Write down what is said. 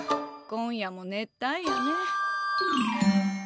今夜も熱帯夜ね。